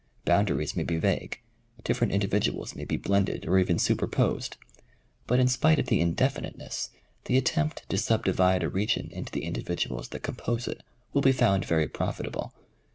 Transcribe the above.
Boundaries may be vague, different individuals may be blended or even superposed, but in spite of the indefiniteness, the attempt to sub divide a region into the individuals that com pose it will be found very profitable.